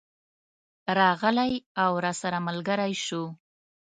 راغلی او راسره ملګری شو.